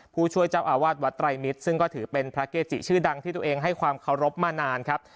ผู้ช่วยเจ้าอาวาสวัดไตรมิตรซึ่งก็ถือเป็นพระเกจิชื่อดังที่ตัวเองให้ความเคารพมานานครับ